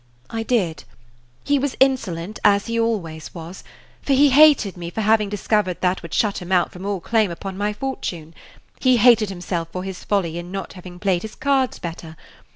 "I did. He was insolent, as he always was; for he hated me for having discovered that which shut him out from all claim upon my fortune. He hated himself for his folly in not having played his cards better.